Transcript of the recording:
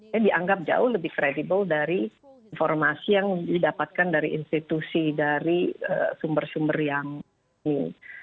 yang dianggap jauh lebih kredibel dari informasi yang didapatkan dari institusi dari sumber sumber yang ini